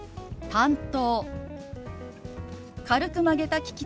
「担当」。